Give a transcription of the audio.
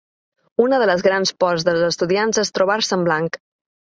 Una de les grans pors dels estudiants és trobar-se en blanc.